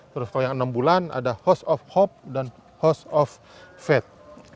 terus kalau yang enam bulan ada house of hope dan house of faith